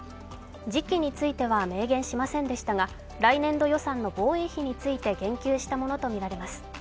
時期については明言しませんでしたが、来年度予算の防衛費について言及したものとみられます。